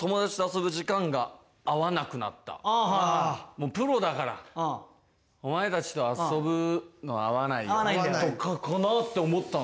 もうプロだからお前たちと遊ぶのは合わないよとかかなって思ったんすけど。